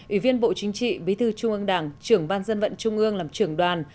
ủy viên bộ chính trị bí thư trung ương đảng trưởng ban dân vận trung ương làm trưởng đoàn